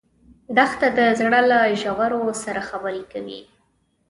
دښته د زړه له ژورو سره خبرې کوي.